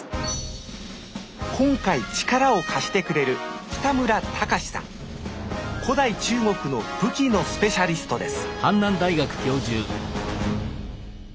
今回力を貸してくれる古代中国の武器のスペシャリストです